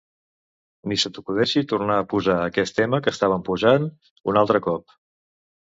Ni se t'acudeixi tornar a posar aquest tema que estaven posant un altre cop.